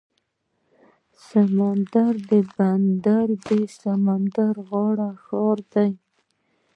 سمندري بندر د سمندر غاړې ښار دی.